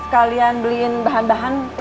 kalian beliin bahan bahan